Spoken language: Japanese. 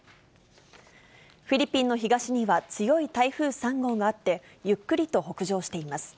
フィリピンの東には強い台風３号があって、ゆっくりと北上しています。